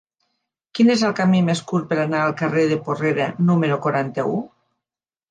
Quin és el camí més curt per anar al carrer de Porrera número quaranta-u?